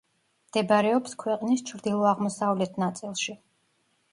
მდებარეობს ქვეყნის ჩრდილო-აღმოსავლეთ ნაწილში.